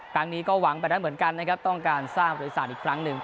ครั้งนี้ก็หวังแบบนั้นเหมือนกันนะครับต้องการสร้างบริษัทอีกครั้งหนึ่ง